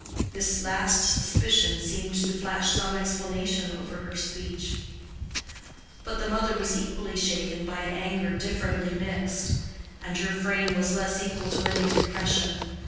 This last suspicion seemed to flash some explanation over her speech. But the mother was equally shaken by an anger differently mixed, and her frame was less equal to any repression.